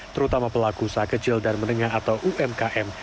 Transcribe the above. terutama pelaku usaha kecil dan menengah atau umkm